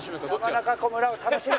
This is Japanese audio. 山中湖村を楽しむ！！